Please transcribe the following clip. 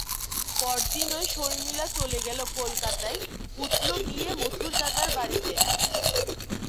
পরদিনই শর্মিলা চলে গেল কলকাতায়, উঠল গিয়ে মথুরদাদার বাড়িতে।